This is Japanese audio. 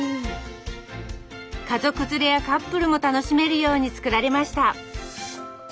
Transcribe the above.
家族連れやカップルも楽しめるように造られました。